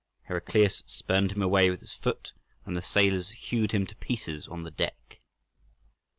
Heraclius spurned him away with his foot, and the sailors hewed him to pieces on the deck.